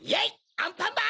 アンパンマン！